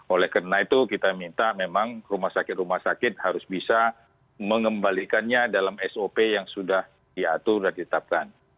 oleh karena itu kita minta memang rumah sakit rumah sakit harus bisa mengembalikannya dalam sop yang sudah diatur dan ditetapkan